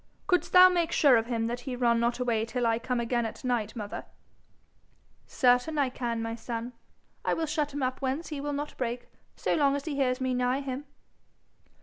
'Couldst thou make sure of him that he run not away till I come again at night, mother?' 'Certain I can, my son. I will shut him up whence he will not break so long as he hears me nigh him.'